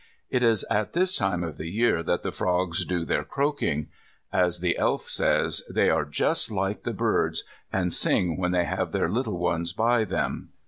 It is at this time of the year that the frogs do their croaking. As the Elf says, "they are just like the birds, and sing when they have their little ones by them."